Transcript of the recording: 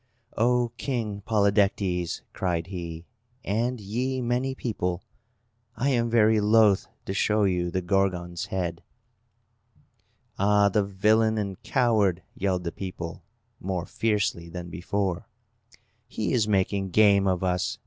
"O King Polydectes," cried he, "and ye many people, I am very loath to show you the Gorgon's head!" "Ah, the villain and coward!" yelled the people, more fiercely than before. "He is making game of us!